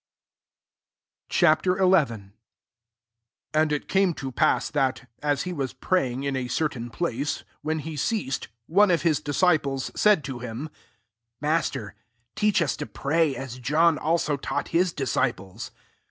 Ch. XL 1 And it came to pass, that, as he was praying in a certain place, when he ceas« ed, one of his disciples said to him, " Master, teach us to prajt as John also taught his disci* pies."